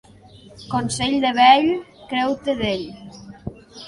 Consell de vell, creu-te d'ell.